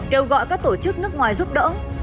kêu gọi các tổ chức nước ngoài giúp đỡ